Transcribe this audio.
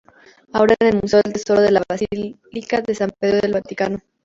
Ahora en el Museo del Tesoro de la basílica de San Pedro del Vaticano.